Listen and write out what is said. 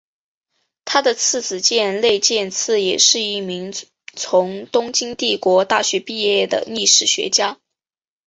他的次子箭内健次也是一名从东京帝国大学毕业的历史学家。